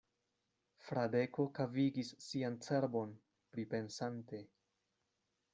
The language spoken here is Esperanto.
Fradeko kavigis sian cerbon, pripensante.